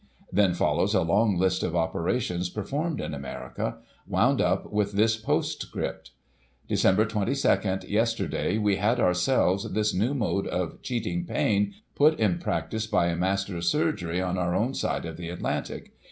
Then follows a long list of operations performed in America — wound up with this postcript : "Dec. 22. Yesterday, we had, ourselves, this new mode of cheating pain put in prac tice by a master of chirurgery, on our own side of the Atlantic.